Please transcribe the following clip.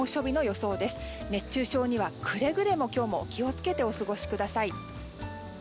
熱中症にはくれぐれも今日も気をつけてお過ごしください。